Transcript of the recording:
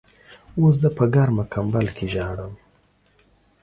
اوس زه په ګرمه کمبل کې ژاړم.